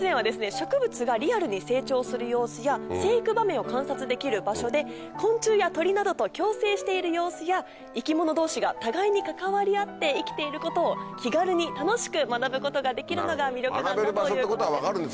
植物がリアルに成長する様子や生育場面を観察できる場所で昆虫や鳥などと共生している様子や生き物同士が互いに関わり合って生きていることを気軽に楽しく学ぶことができるのが魅力なんだということです。